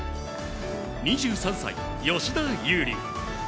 ２３歳、吉田優利。